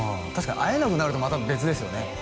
確かに会えなくなるとまた別ですよね